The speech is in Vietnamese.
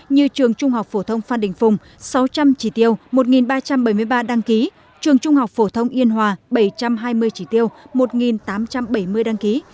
như trường trung học phổ thông phan đình phùng sáu trăm linh chỉ tiêu một ba trăm bảy mươi ba đăng ký trường trung học phổ thông yên hòa bảy trăm hai mươi chỉ tiêu một tám trăm bảy mươi đăng ký